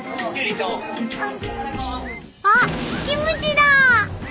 あっキムチだ！